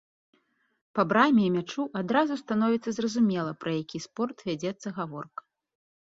Па браме і мячу адразу становіцца зразумела, пра які спорт вядзецца гаворка.